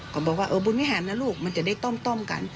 บอกว่าเออบุญวิหารนะลูกมันจะได้ต้อมกัน